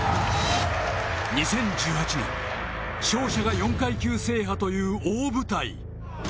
２０１８年、勝者が４階級制覇という大舞台。